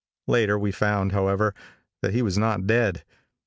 Later, we found, however, that he was not dead.